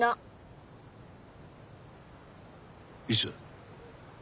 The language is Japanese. いつ？